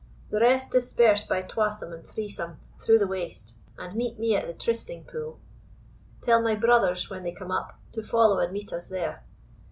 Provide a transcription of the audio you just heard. The rest disperse by twasome and threesome through the waste, and meet me at the Trysting pool. Tell my brothers, when they come up, to follow and meet us there.